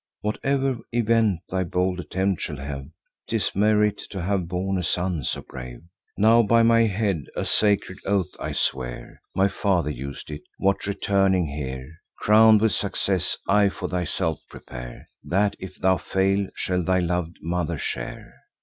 Whate'er event thy bold attempt shall have, 'Tis merit to have borne a son so brave. Now by my head, a sacred oath, I swear, (My father us'd it,) what, returning here Crown'd with success, I for thyself prepare, That, if thou fail, shall thy lov'd mother share."